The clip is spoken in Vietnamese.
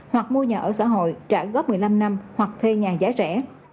hoặc mua nhà ở xã hội trả góp một mươi năm năm hoặc thuê nhà giá rẻ